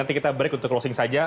nanti kita break untuk closing saja